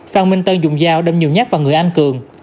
phan minh tân dùng dao đâm nhiều nhát vào người anh cường